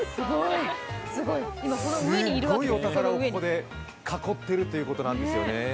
すっごいお宝をここで囲っているということなんですよね。